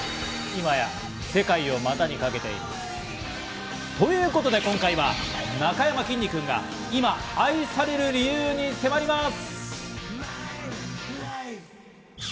今や世界を股にかけてます。ということで今回は、なかやまきんに君が今、愛される理由に迫ります。